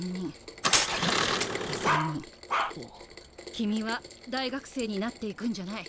君は大学生になっていくんじゃない。